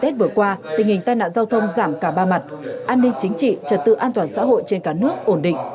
cả ba mặt an ninh chính trị trật tự an toàn xã hội trên cả nước ổn định